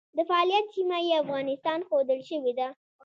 د فعالیت سیمه یې افغانستان ښودل شوې ده.